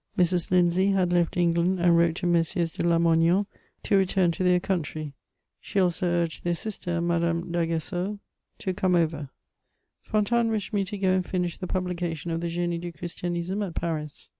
Mrs. Lindsay had left England, and wrote to MM. de Lamoignon to return to thdr country; she also urged their sister, Madame d'Aguesseau, to come over. Fontanes wished me to go and finish the publication of the GinU du Christianisme at Paris.